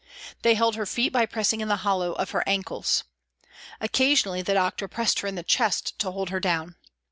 They held her feet by pressing in the hollow of her ankles. Occasion ally the doctor pressed her in the chest to hold her down.